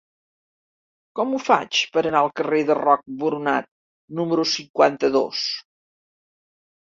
Com ho faig per anar al carrer de Roc Boronat número cinquanta-dos?